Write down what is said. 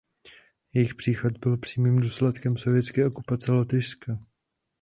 Jejich příchod byl přímým důsledkem sovětské okupace Lotyšska.